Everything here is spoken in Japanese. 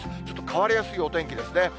ちょっと変わりやすいお天気ですね。